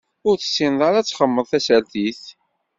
Ur tessineḍ ara ad txedmeḍ tasertit.